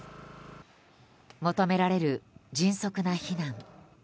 求められる迅速な避難。